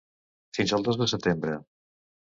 Fins al dos de setembre.